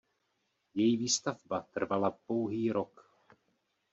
Její výstavba trvala pouhý rok.